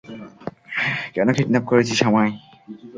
কেন কিডন্যাপ করেছিস আমায়?